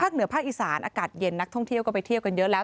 เหนือภาคอีสานอากาศเย็นนักท่องเที่ยวก็ไปเที่ยวกันเยอะแล้ว